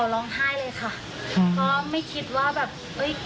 ร้องไห้เลยค่ะเพราะไม่คิดว่าแบบเอ้ย